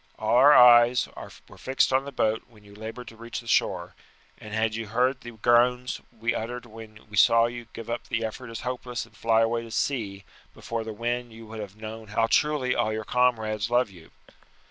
All our eyes were fixed on the boat when you laboured to reach the shore, and had you heard the groans we uttered when we saw you give up the effort as hopeless and fly away to sea before the wind you would have known how truly all your comrades love you.